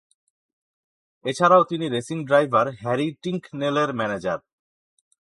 এছাড়াও তিনি racing driver Harry টিঙ্কনেলের ম্যানেজার।